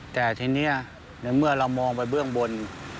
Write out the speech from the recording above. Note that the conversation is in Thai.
แต่ทีนี้ในเมื่อเรามองไปเบื้องบน